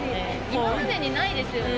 今までにないですよね